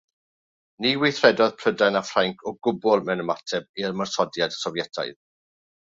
Ni weithredodd Prydain a Ffrainc o gwbl mewn ymateb i'r ymosodiad Sofietaidd.